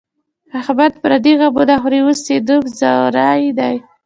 احمد پردي غمونه خوري، اوس یې نوم ځوری دی.